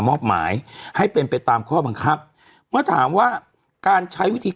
มอบหมายให้เป็นไปตามข้อบังคับเมื่อถามว่าการใช้วิธี